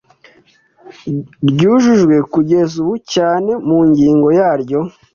ryujujwe kugeza ubu cyane mu ngingo yaryo